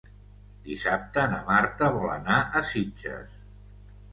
Dissabte na Marta vol anar a Sitges.